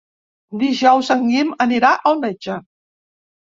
Dijous en Guim anirà al metge.